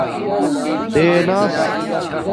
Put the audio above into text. دیناس